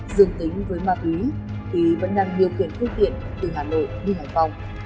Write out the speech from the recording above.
dường tính với mạc úy thì vẫn đang điều khiển phương tiện từ hà nội đi hải phòng